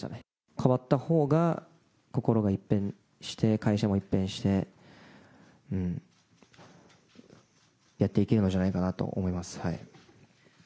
変わったほうが心が一変して、会社も一変してやっていけるのじゃないかなと思います。